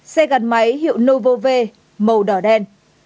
xe gắn máy hiệu novo v màu đỏ đen